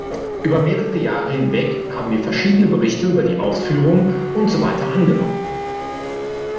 Über mehrere Jahre hinweg haben wir verschiedene Berichte über die Ausführung und so weiter angenommen.